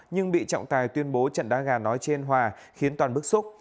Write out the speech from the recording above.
nhưng bị trọng tài tuyên bố trận đá gà nói trên hòa khiến toàn bức xúc